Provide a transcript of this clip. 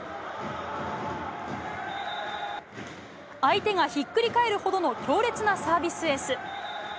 相手がひっくり返るほどの強烈なサービスエース。